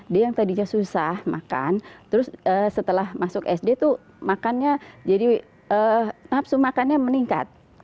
dia yang tadinya susah makan setelah masuk sd nafsu makannya meningkat